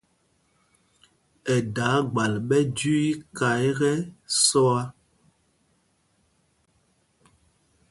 Ɛ daa gbal ɓɛ jüii iká ekɛ́ sɔa.